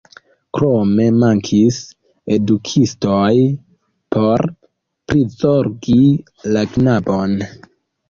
Krome mankis edukistoj por prizorgi la knabon.